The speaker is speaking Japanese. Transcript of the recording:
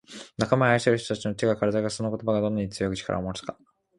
「仲間や愛する人達の手が体がその言葉がどんなに強い力を持つか」